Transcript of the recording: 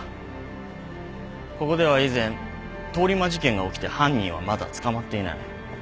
ここでは以前通り魔事件が起きて犯人はまだ捕まっていない。